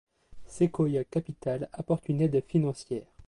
Sequoia Capital apporte une aide financière.